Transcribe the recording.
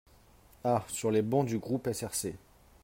Ah sur les bancs du groupe SRC.